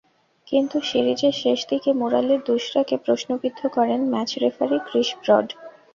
কিন্তু সিরিজের শেষ দিকে মুরালির দুসরাকে প্রশ্নবিদ্ধ করেন ম্যাচ রেফারি ক্রিস ব্রড।